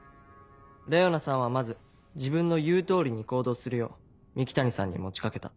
レオナさんはまず自分の言う通りに行動するよう三鬼谷さんに持ち掛けた。